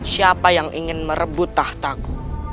siapa yang ingin merebut tahtaku